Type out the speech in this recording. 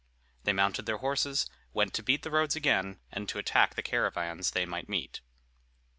They mounted their horses, went to beat the roads again, and to attack the caravans they might meet.